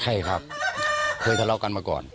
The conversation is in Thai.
ใช่ครับเคยทะเลาะกันมาก่อน